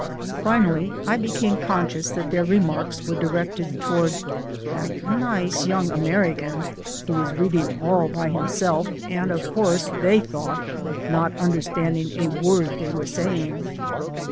Finally, I became conscious that their remarks were directed toward "that nice young American" who was reading all by himself, and of course, they thought, not understanding a word they were saying.